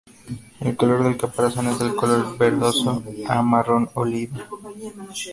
El color del caparazón es de color verdoso a marrón oliva.